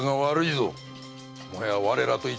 もはや我らと一蓮托生。